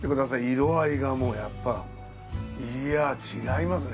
色合いがもうやっぱいや違いますね。